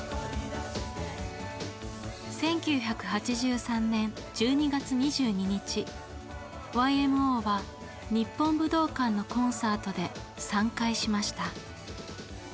１９８３年１２月２２日ＹＭＯは日本武道館のコンサートで散開しました。